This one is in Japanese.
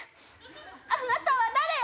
あなたは誰よ？